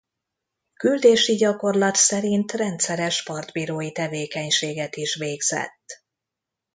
Küldési gyakorlat szerint rendszeres partbírói tevékenységet is végzett.